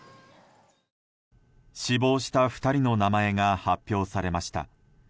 死亡した２人の名前が発表されました。